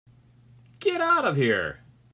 Get out of here.